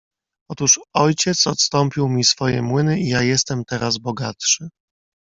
"Otóż ojciec odstąpił mi swoje młyny i ja jestem teraz bogatszy."